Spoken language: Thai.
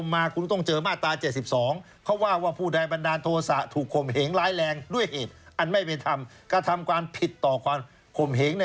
มีไม่ไหวนะบางทีอารมณ์มันมาเหมือนกันนะ